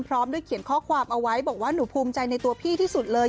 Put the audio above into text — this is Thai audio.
พร้อมด้วยเขียนข้อความเอาไว้บอกว่าหนูภูมิใจในตัวพี่ที่สุดเลย